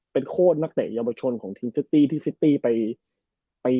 เป็นโคตรนักเตะเยาวชนของทีมเจตตี้ที่ซิตี้ไป